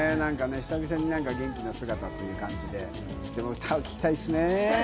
久々に元気な姿という感じで、でも歌を聴きたいですね。